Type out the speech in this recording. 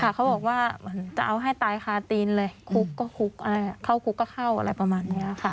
เขาบอกว่าเหมือนจะเอาให้ตายคาตีนเลยคุกก็คุกอะไรเข้าคุกก็เข้าอะไรประมาณนี้ค่ะ